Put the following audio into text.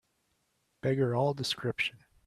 Beggar all description